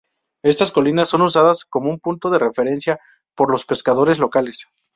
Estas colinas son usadas como un punto de referencia por los pescadores locales.